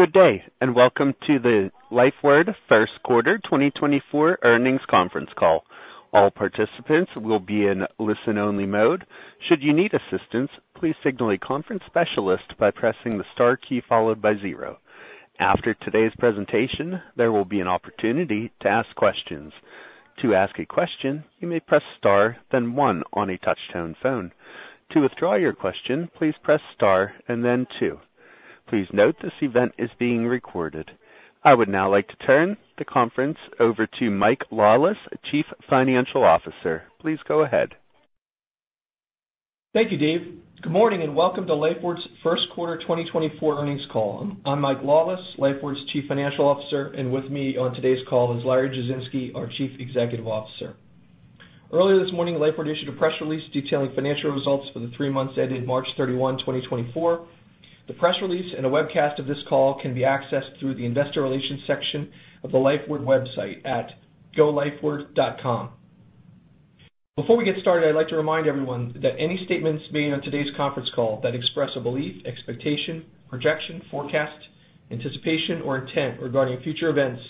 Good day and welcome to the Lifeward First Quarter 2024 Earnings Conference Call. All participants will be in listen-only mode. Should you need assistance, please signal a conference specialist by pressing the star key followed by zero. After today's presentation, there will be an opportunity to ask questions. To ask a question, you may press star, then one on a touch-tone phone. To withdraw your question, please press star and then two. Please note this event is being recorded. I would now like to turn the conference over to Mike Lawless, Chief Financial Officer. Please go ahead. Thank you, Dave. Good morning and welcome to Lifeward's First Quarter 2024 Earnings Call. I'm Mike Lawless, Lifeward's Chief Financial Officer, and with me on today's call is Larry Jasinski, our Chief Executive Officer. Earlier this morning, Lifeward issued a press release detailing financial results for the three months ending March 31, 2024. The press release and a webcast of this call can be accessed through the Investor Relations section of the Lifeward website at golifeward.com. Before we get started, I'd like to remind everyone that any statements made on today's conference call that express a belief, expectation, projection, forecast, anticipation, or intent regarding future events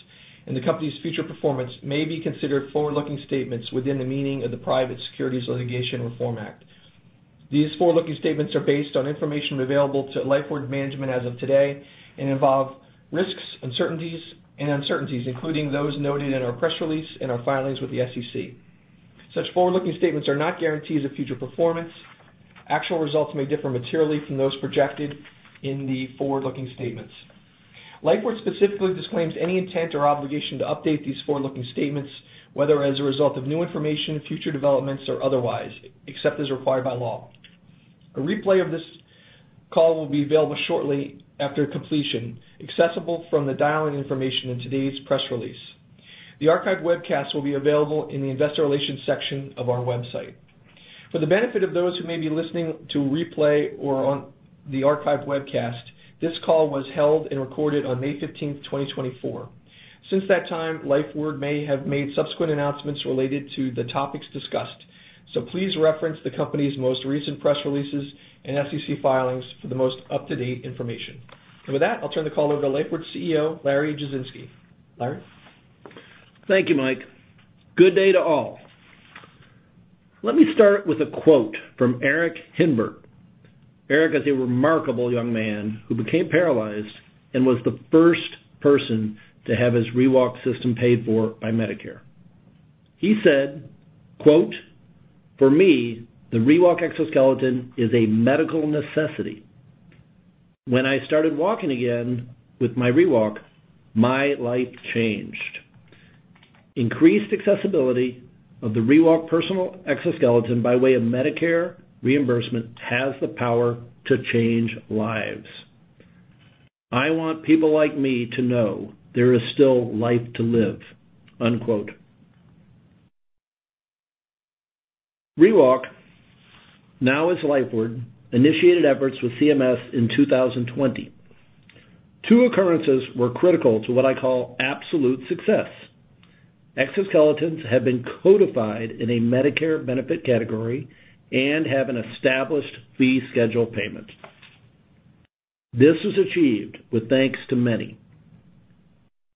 and the company's future performance may be considered forward-looking statements within the meaning of the Private Securities Litigation Reform Act. These forward-looking statements are based on information available to Lifeward management as of today and involve risks, uncertainties, including those noted in our press release and our filings with the SEC. Such forward-looking statements are not guarantees of future performance. Actual results may differ materially from those projected in the forward-looking statements. Lifeward specifically disclaims any intent or obligation to update these forward-looking statements, whether as a result of new information, future developments, or otherwise, except as required by law. A replay of this call will be available shortly after completion, accessible from the dial-in information in today's press release. The archived webcast will be available in the Investor Relations section of our website. For the benefit of those who may be listening to a replay or on the archived webcast, this call was held and recorded on May 15, 2024. Since that time, Lifeward may have made subsequent announcements related to the topics discussed, so please reference the company's most recent press releases and SEC filings for the most up-to-date information. With that, I'll turn the call over to Lifeward CEO Larry Jasinski. Larry? Thank you, Mike. Good day to all. Let me start with a quote from Eric Hinebert. Eric is a remarkable young man who became paralyzed and was the first person to have his ReWalk system paid for by Medicare. He said, "For me, the ReWalk exoskeleton is a medical necessity. When I started walking again with my ReWalk, my life changed. Increased accessibility of the ReWalk Personal Exoskeleton by way of Medicare reimbursement has the power to change lives. I want people like me to know there is still life to live." ReWalk, now as Lifeward, initiated efforts with CMS in 2020. Two occurrences were critical to what I call absolute success. Exoskeletons have been codified in a Medicare benefit category and have an established fee schedule payment. This was achieved with thanks to many: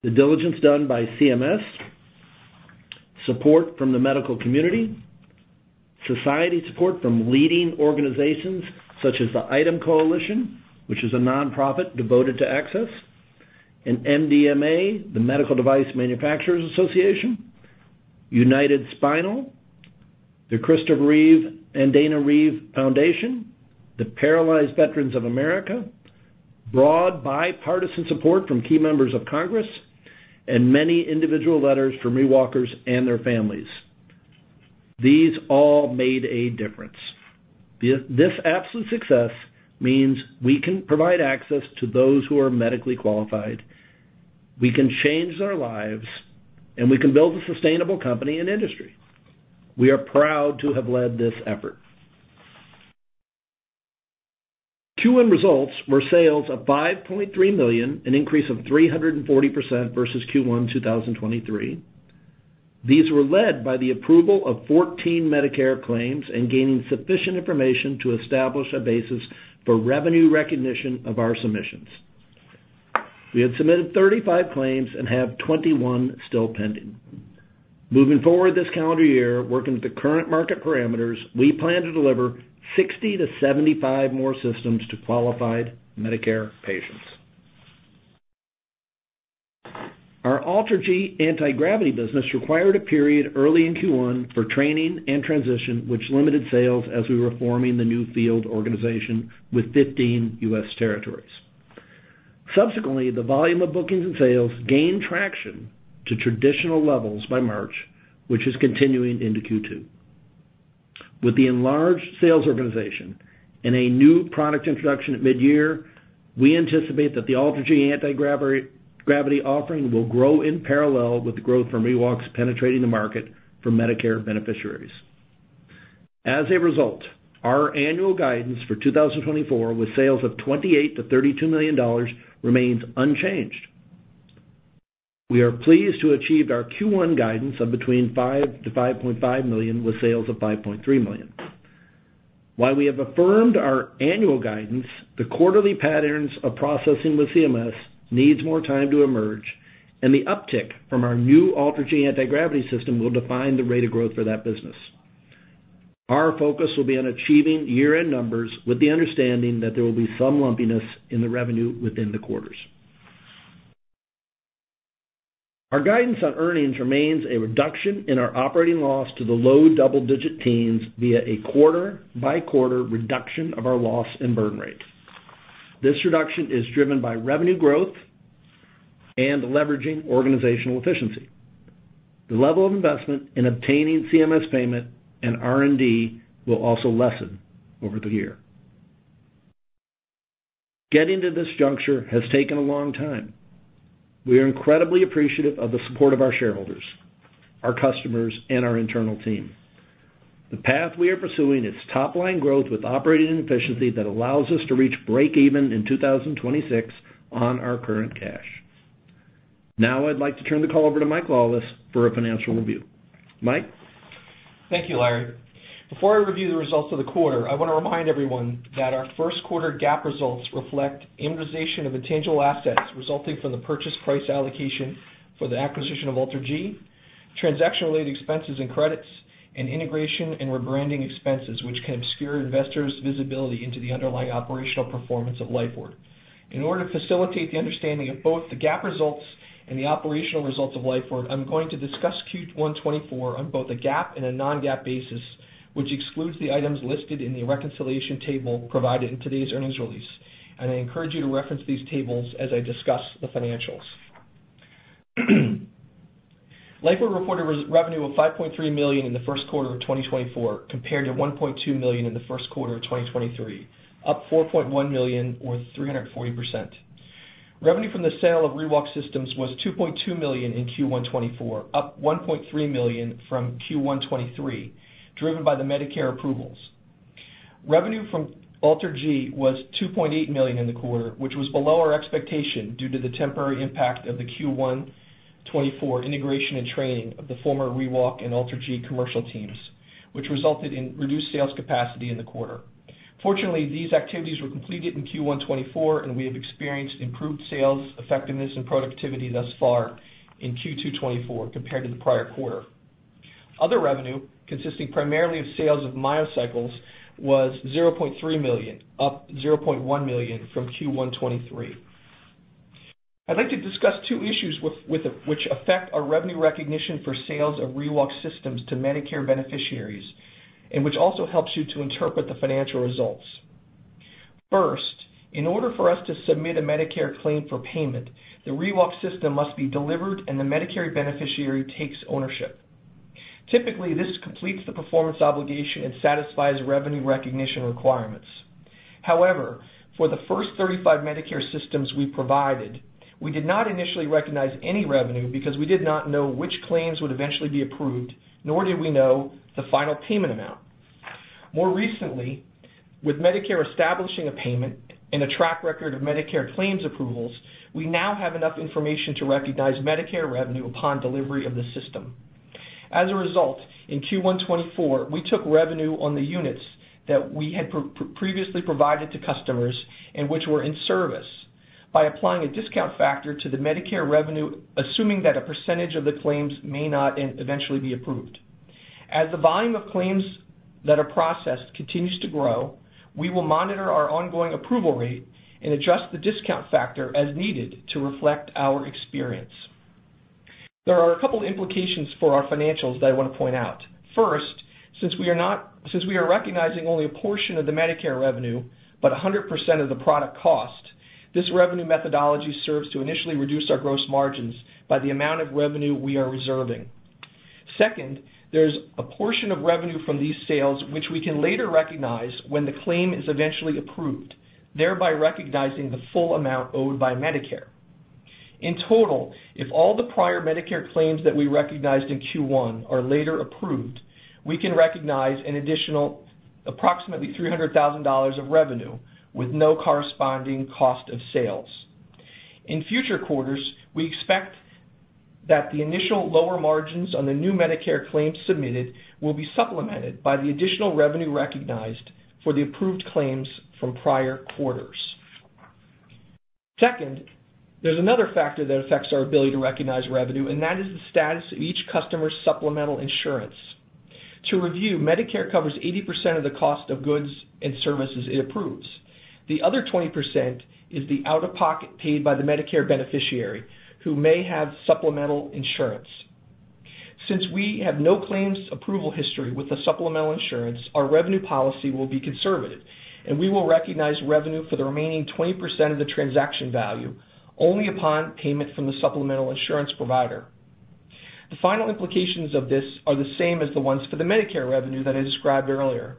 the diligence done by CMS, support from the medical community, societal support from leading organizations such as the ITEM Coalition, which is a nonprofit devoted to access, and MDMA, the Medical Device Manufacturers Association, United Spinal, the Christopher & Dana Reeve Foundation, the Paralyzed Veterans of America, broad bipartisan support from key members of Congress, and many individual letters from ReWalkers and their families. These all made a difference. This absolute success means we can provide access to those who are medically qualified, we can change their lives, and we can build a sustainable company and industry. We are proud to have led this effort. Q1 results were sales of $5.3 million, an increase of 340% versus Q1 2023. These were led by the approval of 14 Medicare claims and gaining sufficient information to establish a basis for revenue recognition of our submissions. We had submitted 35 claims and have 21 still pending. Moving forward this calendar year, working with the current market parameters, we plan to deliver 60-75 more systems to qualified Medicare patients. Our AlterG anti-gravity business required a period early in Q1 for training and transition, which limited sales as we were forming the new field organization with 15 U.S. territories. Subsequently, the volume of bookings and sales gained traction to traditional levels by March, which is continuing into Q2. With the enlarged sales organization and a new product introduction at mid-year, we anticipate that the AlterG anti-gravity offering will grow in parallel with the growth from ReWalks penetrating the market for Medicare beneficiaries. As a result, our annual guidance for 2024 with sales of $28 million-$32 million remains unchanged. We are pleased to have achieved our Q1 guidance of between $5 million-$5.5 million with sales of $5.3 million. While we have affirmed our annual guidance, the quarterly patterns of processing with CMS need more time to emerge, and the uptick from our new AlterG anti-gravity system will define the rate of growth for that business. Our focus will be on achieving year-end numbers with the understanding that there will be some lumpiness in the revenue within the quarters. Our guidance on earnings remains a reduction in our operating loss to the low double-digit teens via a quarter-by-quarter reduction of our loss and burn rate. This reduction is driven by revenue growth and leveraging organizational efficiency. The level of investment in obtaining CMS payment and R&D will also lessen over the year. Getting to this juncture has taken a long time. We are incredibly appreciative of the support of our shareholders, our customers, and our internal team. The path we are pursuing is top-line growth with operating efficiency that allows us to reach break-even in 2026 on our current cash. Now I'd like to turn the call over to Mike Lawless for a financial review. Mike? Thank you, Larry. Before I review the results of the quarter, I want to remind everyone that our first quarter GAAP results reflect amortization of intangible assets resulting from the purchase price allocation for the acquisition of AlterG, transaction-related expenses and credits, and integration and rebranding expenses, which can obscure investors' visibility into the underlying operational performance of Lifeward. In order to facilitate the understanding of both the GAAP results and the operational results of Lifeward, I'm going to discuss Q1 2024 on both a GAAP and a non-GAAP basis, which excludes the items listed in the reconciliation table provided in today's earnings release, and I encourage you to reference these tables as I discuss the financials. Lifeward reported revenue of $5.3 million in the first quarter of 2024 compared to $1.2 million in the first quarter of 2023, up $4.1 million or 340%. Revenue from the sale of ReWalk systems was $2.2 million in Q1 2024, up $1.3 million from Q1 2023, driven by the Medicare approvals. Revenue from AlterG was $2.8 million in the quarter, which was below our expectation due to the temporary impact of the Q1 2024 integration and training of the former ReWalk and AlterG commercial teams, which resulted in reduced sales capacity in the quarter. Fortunately, these activities were completed in Q1 2024, and we have experienced improved sales, effectiveness, and productivity thus far in Q2 2024 compared to the prior quarter. Other revenue, consisting primarily of sales of MyoCycles, was $0.3 million, up $0.1 million from Q1 2023. I'd like to discuss two issues which affect our revenue recognition for sales of ReWalk systems to Medicare beneficiaries and which also helps you to interpret the financial results. First, in order for us to submit a Medicare claim for payment, the ReWalk system must be delivered and the Medicare beneficiary takes ownership. Typically, this completes the performance obligation and satisfies revenue recognition requirements. However, for the first 35 Medicare systems we provided, we did not initially recognize any revenue because we did not know which claims would eventually be approved, nor did we know the final payment amount. More recently, with Medicare establishing a payment and a track record of Medicare claims approvals, we now have enough information to recognize Medicare revenue upon delivery of the system. As a result, in Q1 2024, we took revenue on the units that we had previously provided to customers and which were in service by applying a discount factor to the Medicare revenue, assuming that a percentage of the claims may not eventually be approved. As the volume of claims that are processed continues to grow, we will monitor our ongoing approval rate and adjust the discount factor as needed to reflect our experience. There are a couple of implications for our financials that I want to point out. First, since we are recognizing only a portion of the Medicare revenue but 100% of the product cost, this revenue methodology serves to initially reduce our gross margins by the amount of revenue we are reserving. Second, there's a portion of revenue from these sales which we can later recognize when the claim is eventually approved, thereby recognizing the full amount owed by Medicare. In total, if all the prior Medicare claims that we recognized in Q1 are later approved, we can recognize an additional approximately $300,000 of revenue with no corresponding cost of sales. In future quarters, we expect that the initial lower margins on the new Medicare claims submitted will be supplemented by the additional revenue recognized for the approved claims from prior quarters. Second, there's another factor that affects our ability to recognize revenue, and that is the status of each customer's supplemental insurance. To review, Medicare covers 80% of the cost of goods and services it approves. The other 20% is the out-of-pocket paid by the Medicare beneficiary who may have supplemental insurance. Since we have no claims approval history with the supplemental insurance, our revenue policy will be conservative, and we will recognize revenue for the remaining 20% of the transaction value only upon payment from the supplemental insurance provider. The final implications of this are the same as the ones for the Medicare revenue that I described earlier.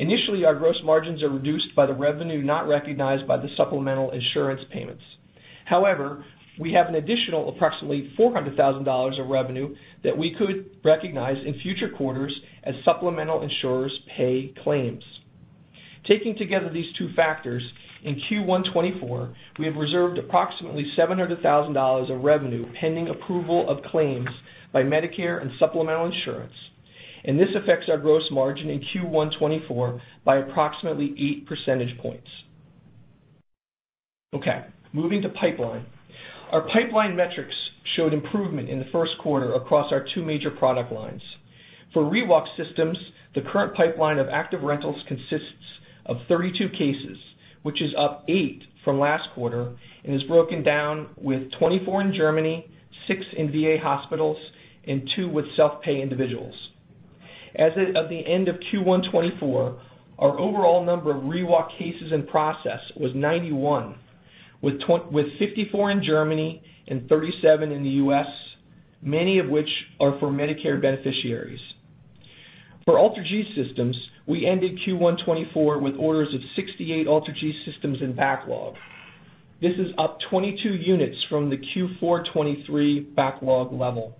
Initially, our gross margins are reduced by the revenue not recognized by the supplemental insurance payments. However, we have an additional approximately $400,000 of revenue that we could recognize in future quarters as supplemental insurers pay claims. Taking together these two factors, in Q1 2024, we have reserved approximately $700,000 of revenue pending approval of claims by Medicare and supplemental insurance, and this affects our gross margin in Q1 2024 by approximately eight percentage points. Okay, moving to pipeline. Our pipeline metrics showed improvement in the first quarter across our two major product lines. For ReWalk systems, the current pipeline of active rentals consists of 32 cases, which is up eight from last quarter, and is broken down with 24 in Germany, 6 in VA hospitals, and two with self-pay individuals. As of the end of Q1 2024, our overall number of ReWalk cases in process was 91, with 54 in Germany and 37 in the U.S., many of which are for Medicare beneficiaries. For AlterG systems, we ended Q1 2024 with orders of 68 AlterG systems in backlog. This is up 22 units from the Q4 2023 backlog level.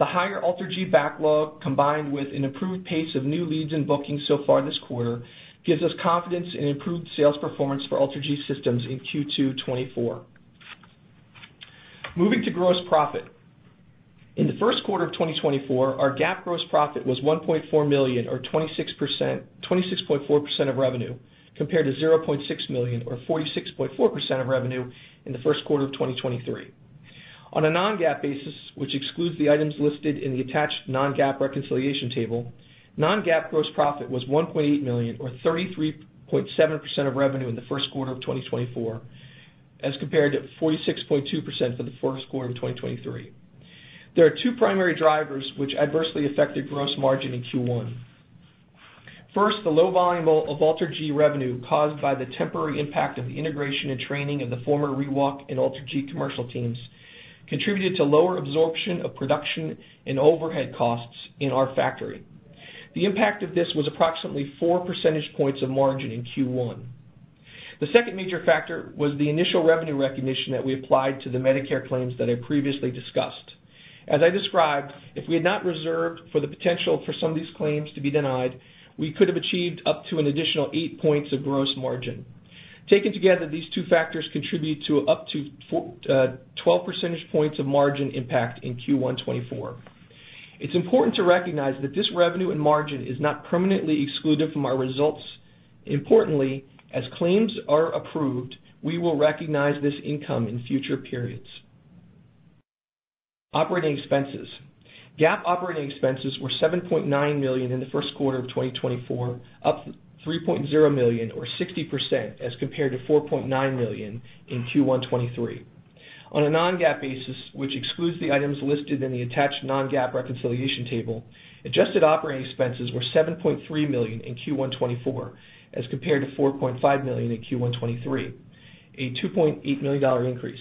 The higher AlterG backlog, combined with an improved pace of new leads and bookings so far this quarter, gives us confidence in improved sales performance for AlterG systems in Q2 2024. Moving to gross profit. In the first quarter of 2024, our GAAP gross profit was $1.4 million or 26.4% of revenue compared to $0.6 million or 46.4% of revenue in the first quarter of 2023. On a non-GAAP basis, which excludes the items listed in the attached non-GAAP reconciliation table, non-GAAP gross profit was $1.8 million or 33.7% of revenue in the first quarter of 2024, as compared to 46.2% for the first quarter of 2023. There are two primary drivers which adversely affected gross margin in Q1. First, the low volume of AlterG revenue caused by the temporary impact of the integration and training of the former ReWalk and AlterG commercial teams contributed to lower absorption of production and overhead costs in our factory. The impact of this was approximately 4 percentage points of margin in Q1. The second major factor was the initial revenue recognition that we applied to the Medicare claims that I previously discussed. As I described, if we had not reserved for the potential for some of these claims to be denied, we could have achieved up to an additional eight points of gross margin. Taken together, these two factors contribute to up to 12 percentage points of margin impact in Q1 2024. It's important to recognize that this revenue and margin is not permanently excluded from our results. Importantly, as claims are approved, we will recognize this income in future periods. Operating expenses. GAAP operating expenses were $7.9 million in the first quarter of 2024, up $3.0 million or 60% as compared to $4.9 million in Q1 2023. On a non-GAAP basis, which excludes the items listed in the attached non-GAAP reconciliation table, adjusted operating expenses were $7.3 million in Q1 2024 as compared to $4.5 million in Q1 2023, a $2.8 million increase.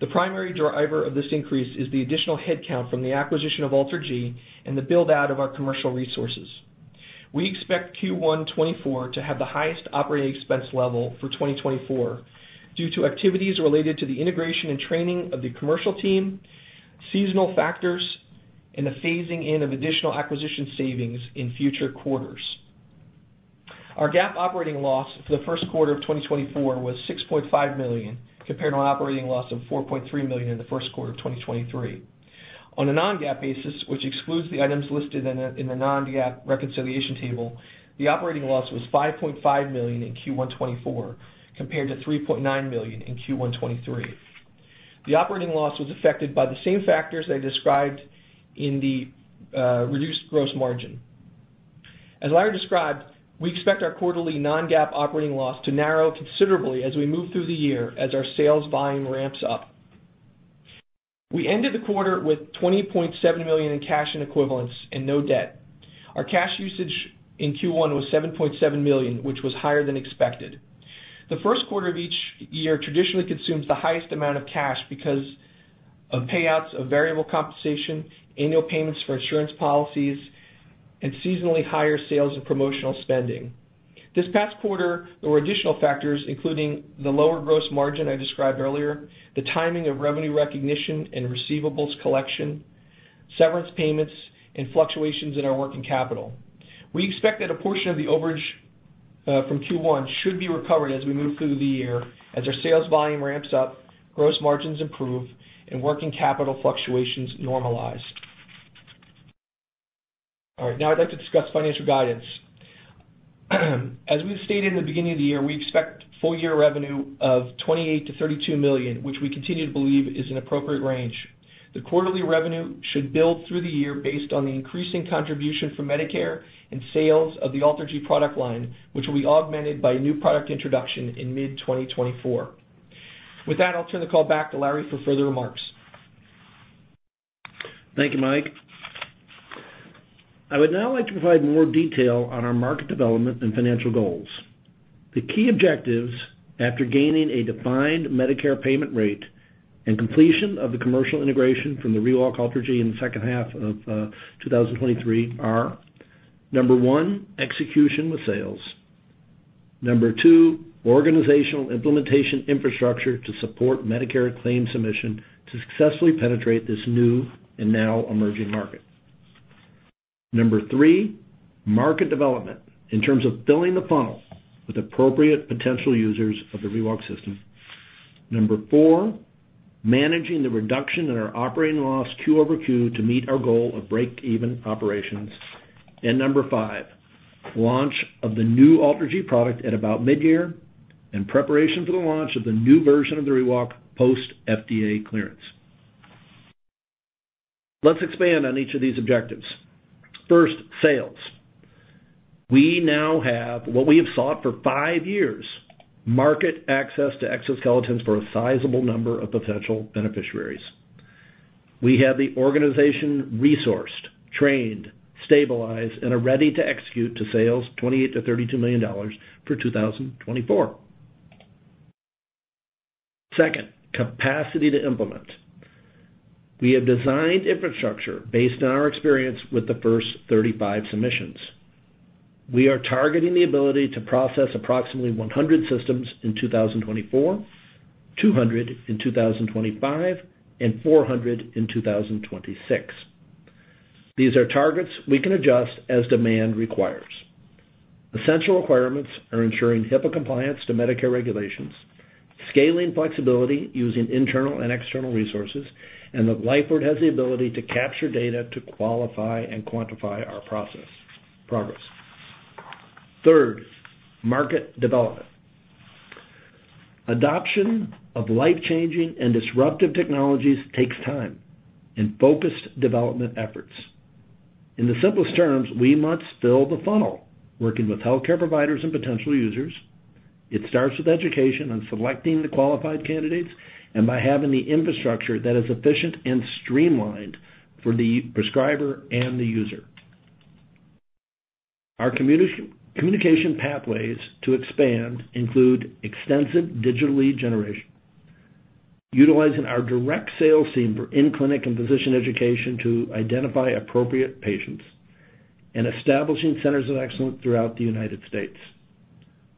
The primary driver of this increase is the additional headcount from the acquisition of AlterG and the build-out of our commercial resources. We expect Q1 2024 to have the highest operating expense level for 2024 due to activities related to the integration and training of the commercial team, seasonal factors, and the phasing in of additional acquisition savings in future quarters. Our GAAP operating loss for the first quarter of 2024 was $6.5 million compared to an operating loss of $4.3 million in the first quarter of 2023. On a non-GAAP basis, which excludes the items listed in the non-GAAP reconciliation table, the operating loss was $5.5 million in Q1 2024 compared to $3.9 million in Q1 2023. The operating loss was affected by the same factors that I described in the reduced gross margin. As Larry described, we expect our quarterly non-GAAP operating loss to narrow considerably as we move through the year as our sales volume ramps up. We ended the quarter with $20.7 million in cash and equivalents and no debt. Our cash usage in Q1 was $7.7 million, which was higher than expected. The first quarter of each year traditionally consumes the highest amount of cash because of payouts of variable compensation, annual payments for insurance policies, and seasonally higher sales and promotional spending. This past quarter, there were additional factors including the lower gross margin I described earlier, the timing of revenue recognition and receivables collection, severance payments, and fluctuations in our working capital. We expect that a portion of the overage from Q1 should be recovered as we move through the year as our sales volume ramps up, gross margins improve, and working capital fluctuations normalize. All right, now I'd like to discuss financial guidance. As we stated in the beginning of the year, we expect full-year revenue of $28 million-$32 million, which we continue to believe is an appropriate range. The quarterly revenue should build through the year based on the increasing contribution from Medicare and sales of the AlterG product line, which will be augmented by a new product introduction in mid-2024. With that, I'll turn the call back to Larry for further remarks. Thank you, Mike. I would now like to provide more detail on our market development and financial goals. The key objectives after gaining a defined Medicare payment rate and completion of the commercial integration from the ReWalk AlterG in the second half of 2023 are: number one, execution with sales. Number two, organizational implementation infrastructure to support Medicare claim submission to successfully penetrate this new and now emerging market. Number three, market development in terms of filling the funnel with appropriate potential users of the ReWalk system. Number four, managing the reduction in our operating loss quarter-over-quarter to meet our goal of break-even operations. And number five, launch of the new AlterG product at about mid-year and preparation for the launch of the new version of the ReWalk post-FDA clearance. Let's expand on each of these objectives. First, sales. We now have what we have sought for 5 years: market access to exoskeletons for a sizable number of potential beneficiaries. We have the organization resourced, trained, stabilized, and are ready to execute to sales $28-$32 million for 2024. Second, capacity to implement. We have designed infrastructure based on our experience with the first 35 submissions. We are targeting the ability to process approximately 100 systems in 2024, 200 in 2025, and 400 in 2026. These are targets we can adjust as demand requires. Essential requirements are ensuring HIPAA compliance to Medicare regulations, scaling flexibility using internal and external resources, and that Lifeward has the ability to capture data to qualify and quantify our progress. Third, market development. Adoption of life-changing and disruptive technologies takes time and focused development efforts. In the simplest terms, we must fill the funnel working with healthcare providers and potential users. It starts with education on selecting the qualified candidates and by having the infrastructure that is efficient and streamlined for the prescriber and the user. Our communication pathways to expand include extensive digital lead generation, utilizing our direct sales team for in-clinic and physician education to identify appropriate patients, and establishing centers of excellence throughout the United States.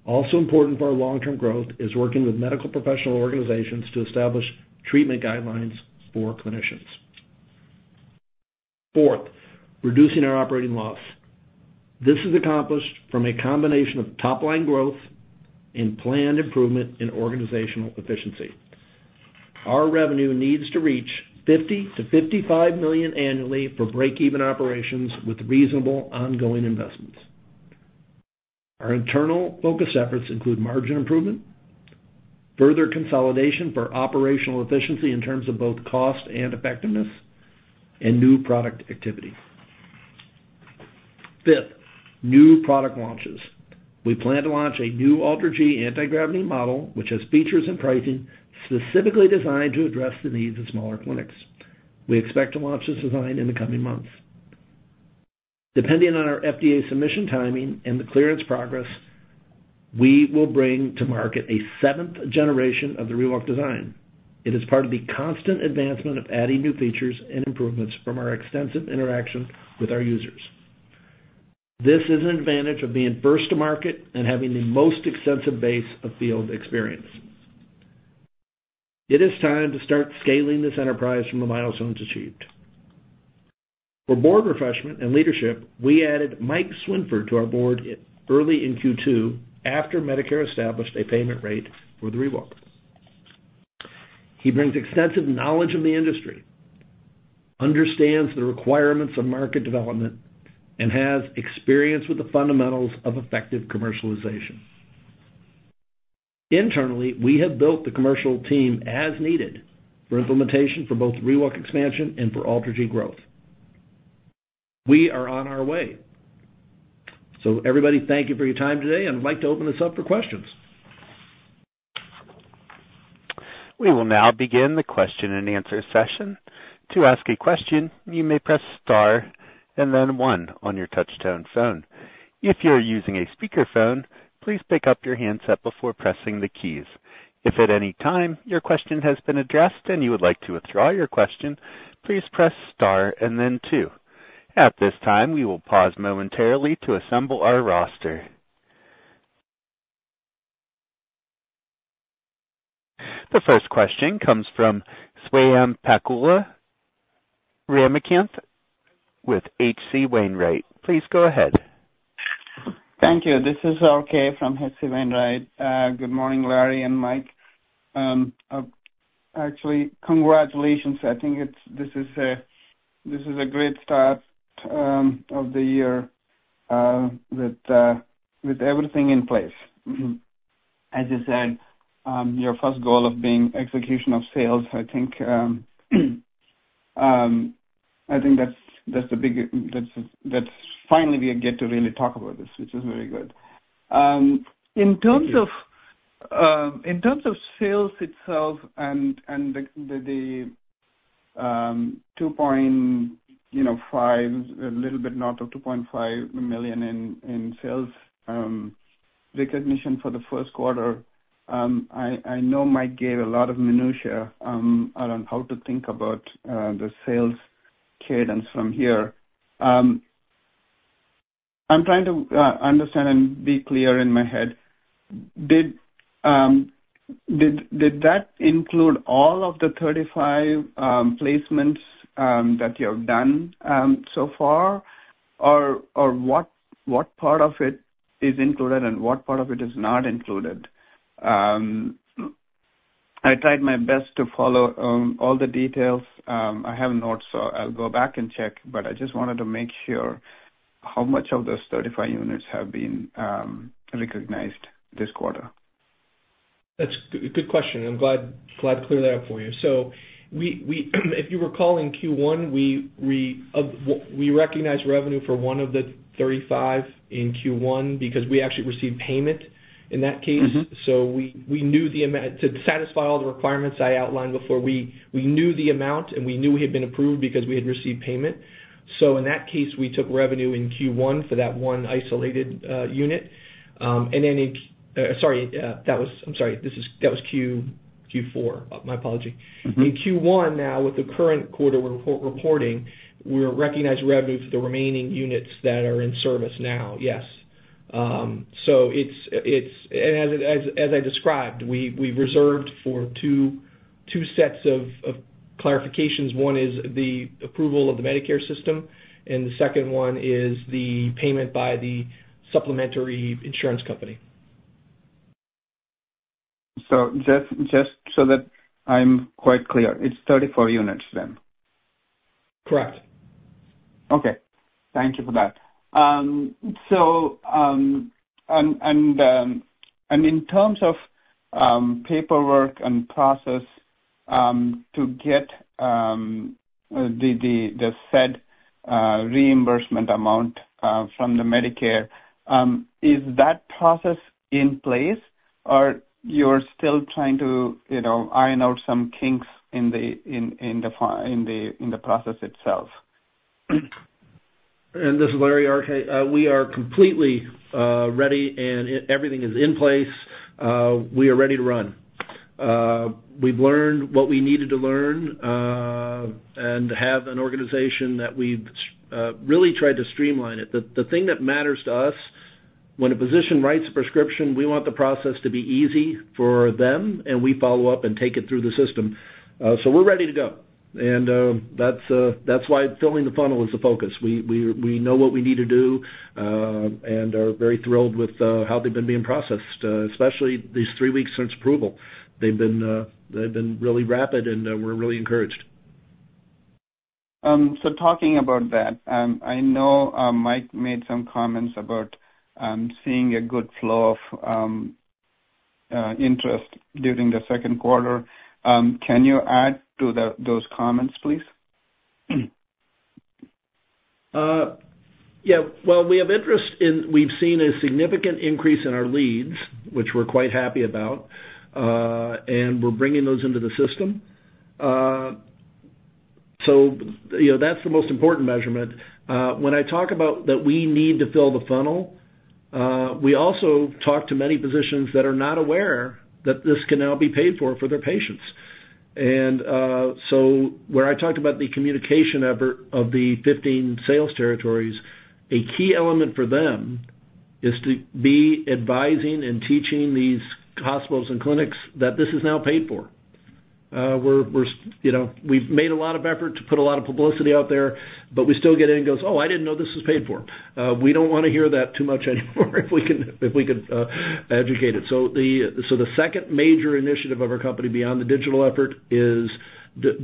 Also important for our long-term growth is working with medical professional organizations to establish treatment guidelines for clinicians. Fourth, reducing our operating loss. This is accomplished from a combination of top-line growth and planned improvement in organizational efficiency. Our revenue needs to reach $50 million-$55 million annually for break-even operations with reasonable ongoing investments. Our internal focus efforts include margin improvement, further consolidation for operational efficiency in terms of both cost and effectiveness, and new product activities. Fifth, new product launches. We plan to launch a new AlterG anti-gravity model which has features and pricing specifically designed to address the needs of smaller clinics. We expect to launch this design in the coming months. Depending on our FDA submission timing and the clearance progress, we will bring to market a seventh generation of the ReWalk design. It is part of the constant advancement of adding new features and improvements from our extensive interaction with our users. This is an advantage of being first to market and having the most extensive base of field experience. It is time to start scaling this enterprise from the milestones achieved. For board refreshment and leadership, we added Mike Swinford to our board early in Q2 after Medicare established a payment rate for the ReWalk. He brings extensive knowledge of the industry, understands the requirements of market development, and has experience with the fundamentals of effective commercialization. Internally, we have built the commercial team as needed for implementation for both ReWalk expansion and for AlterG growth. We are on our way. So everybody, thank you for your time today, and I'd like to open this up for questions. We will now begin the question-and-answer session. To ask a question, you may press star and then one on your touch-tone phone. If you're using a speakerphone, please pick up your handset before pressing the keys. If at any time your question has been addressed and you would like to withdraw your question, please press star and then two. At this time, we will pause momentarily to assemble our roster. The first question comes from Swayampakula Ramakanth with H.C. Wainwright. Please go ahead. Thank you. This is R. K. from H.C. Wainwright. Good morning, Larry and Mike. Actually, congratulations. I think this is a great start of the year with everything in place. As you said, your first goal of being execution of sales, I think that's finally we get to really talk about this, which is very good. In terms of sales itself and the 2.5, a little bit north of $2.5 million in sales recognition for the first quarter, I know Mike gave a lot of minutiae around how to think about the sales cadence from here. I'm trying to understand and be clear in my head. Did that include all of the 35 placements that you have done so far, or what part of it is included and what part of it is not included? I tried my best to follow all the details. I have notes, so I'll go back and check, but I just wanted to make sure how much of those 35 units have been recognized this quarter. That's a good question. I'm glad to clear that up for you. So if you recall in Q1, we recognized revenue for one of the 35 in Q1 because we actually received payment in that case. So we knew the amount to satisfy all the requirements I outlined before. We knew the amount and we knew we had been approved because we had received payment. So in that case, we took revenue in Q1 for that one isolated unit. And then, sorry, that was. I'm sorry, that was Q4. My apology. In Q1 now, with the current quarter reporting, we recognize revenue for the remaining units that are in service now, yes. And as I described, we reserved for two sets of clarifications. One is the approval of the Medicare system, and the second one is the payment by the supplementary insurance company. Just so that I'm quite clear, it's 34 units then? Correct. Okay. Thank you for that. In terms of paperwork and process to get the said reimbursement amount from the Medicare, is that process in place or you're still trying to iron out some kinks in the process itself? This is Larry, R.K. We are completely ready and everything is in place. We are ready to run. We've learned what we needed to learn and have an organization that we've really tried to streamline it. The thing that matters to us, when a physician writes a prescription, we want the process to be easy for them and we follow up and take it through the system. So we're ready to go. And that's why filling the funnel is the focus. We know what we need to do and are very thrilled with how they've been being processed, especially these three weeks since approval. They've been really rapid and we're really encouraged. So talking about that, I know Mike made some comments about seeing a good flow of interest during the second quarter. Can you add to those comments, please? Yeah. Well, we have interest in we've seen a significant increase in our leads, which we're quite happy about, and we're bringing those into the system. So that's the most important measurement. When I talk about that we need to fill the funnel, we also talk to many physicians that are not aware that this can now be paid for for their patients. And so where I talked about the communication effort of the 15 sales territories, a key element for them is to be advising and teaching these hospitals and clinics that this is now paid for. We've made a lot of effort to put a lot of publicity out there, but we still get in and goes, "Oh, I didn't know this was paid for." We don't want to hear that too much anymore if we could educate it. So the second major initiative of our company beyond the digital effort is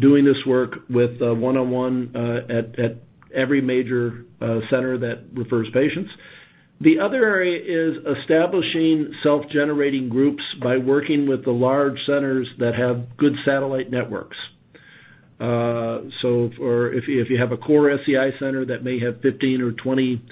doing this work with one-on-one at every major center that refers patients. The other area is establishing self-generating groups by working with the large centers that have good satellite networks. So if you have a core SCI center that may have 15 or 20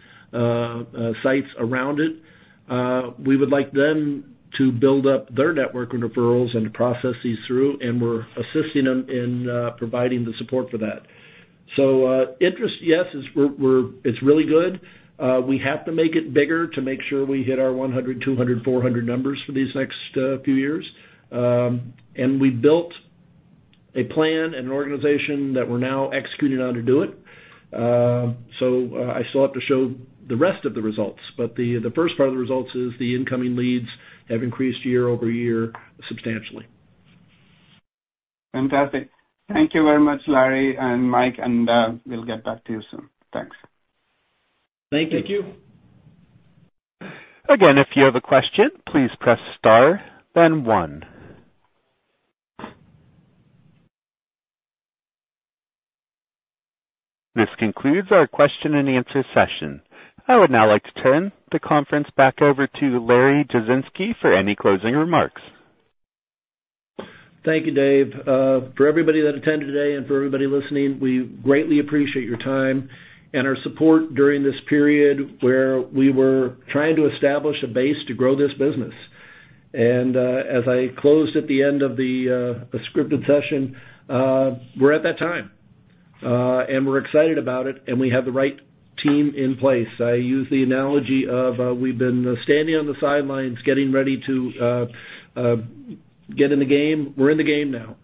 sites around it, we would like them to build up their network and referrals and to process these through, and we're assisting them in providing the support for that. So interest, yes, it's really good. We have to make it bigger to make sure we hit our 100, 200, 400 numbers for these next few years. And we built a plan and an organization that we're now executing on to do it. I still have to show the rest of the results, but the first part of the results is the incoming leads have increased year-over-year substantially. Fantastic. Thank you very much, Larry and Mike, and we'll get back to you soon. Thanks. Thank you. Thank you. Again, if you have a question, please press star and one. This concludes our question-and-answer session. I would now like to turn the conference back over to Larry Jasinski for any closing remarks. Thank you, Dave. For everybody that attended today and for everybody listening, we greatly appreciate your time and our support during this period where we were trying to establish a base to grow this business. As I closed at the end of the scripted session, we're at that time, and we're excited about it, and we have the right team in place. I use the analogy of we've been standing on the sidelines, getting ready to get in the game. We're in the game now.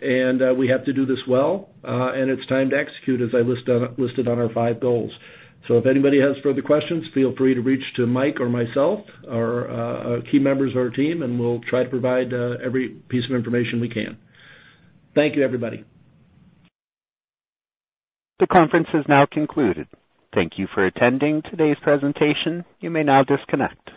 We have to do this well, and it's time to execute as I listed on our five goals. If anybody has further questions, feel free to reach to Mike or myself, our key members of our team, and we'll try to provide every piece of information we can. Thank you, everybody. The conference has now concluded. Thank you for attending today's presentation. You may now disconnect.